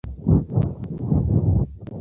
ښځه مور ده